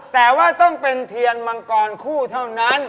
แต่ว่าต้องเป็นเทียนมังกรคู่เท่านั้น